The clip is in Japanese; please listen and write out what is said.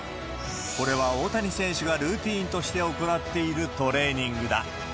これは大谷選手がルーティーンとして行っているトレーニングだ。